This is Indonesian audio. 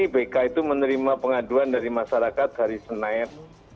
bk itu menerima pengaduan dari masyarakat dari senaet